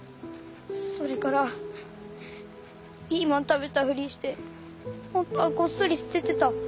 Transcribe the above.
それからピーマン食べたふりして本当はこっそり捨ててた。